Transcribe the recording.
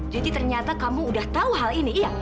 jadi ternyata kamu udah tahu hal ini iya